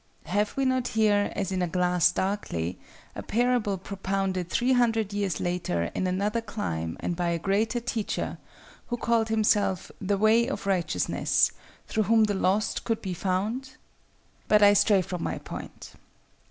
Have we not here "as in a glass darkly" a parable propounded three hundred years later in another clime and by a greater Teacher, who called Himself the Way of Righteousness, through whom the lost could be found? But I stray from my point.